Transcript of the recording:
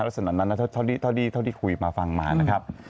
สำนักนั้นครับถ้าเท่านี้คุยมาฟังมานะครับ